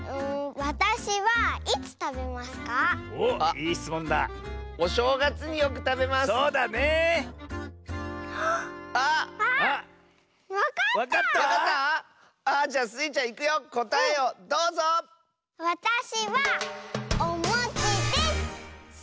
わたしはおもちです！